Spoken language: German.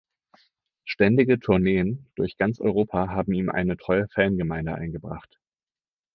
Ständige Tourneen durch ganz Europa haben ihm eine treue Fangemeinde eingebracht.